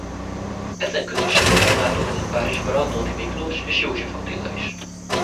Ezen közösség révén látogatott Párizsba Radnóti Miklós és József Attila is.